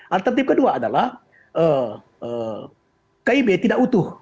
alternatif kedua adalah kib tidak utuh